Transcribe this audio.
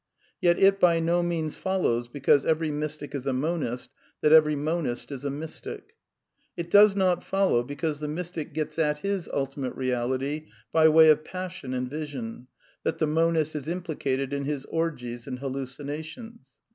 Yet it by no means follows because every mystic is a monist, that every monist is a mystic. It does not follow because the mystic gets at his Ultimate Eeality by way of passion and vision, that the monist is implicated in his I orgies and hallucinations.